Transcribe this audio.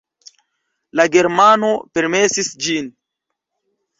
La germano permesis ĝin.